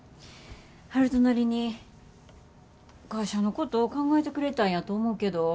悠人なりに会社のこと考えてくれたんやと思うけど。